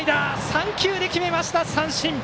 ３球で決めました、三振！